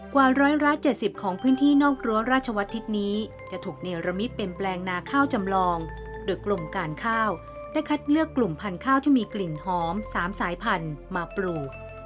กว่า๑๗๐ของพื้นที่นอกรั้วราชวัตทิศนี้จะถูกเนรมิตเป็นแปลงนาข้าวจำลองโดยกรมการข้าวได้คัดเลือกกลุ่มพันธุ์ข้าวที่มีกลิ่นหอม๓สายพันธุ์มาปลูก